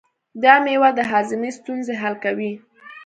دا مېوه د هاضمې ستونزې حل کوي.